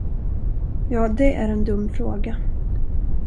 Ja, det är en dum fråga.